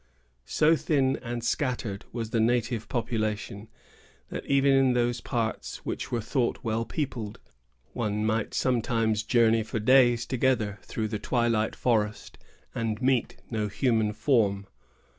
So thin and scattered was the native population, that, even in those parts which were thought well peopled, one might sometimes journey for days together through the twilight forest, and meet no human form.